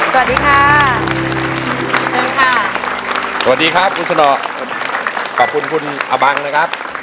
สวัสดีค่ะเชิญค่ะสวัสดีครับคุณสนขอบคุณคุณอบังนะครับ